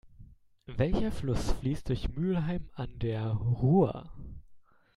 Welcher Fluss fließt durch Mülheim an der Ruhr?